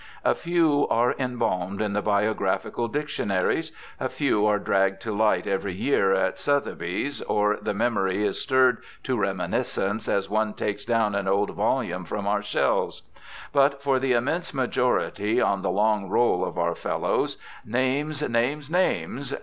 A few are embalmed in the biographical dictionaries; a few are dragged to light every year at Sotheb^^'s, or the memory is stirred to reminiscence as one takes down an old volume from our shcl\ es. But for the immense majority on the long roll of our Fellows— names! names! names!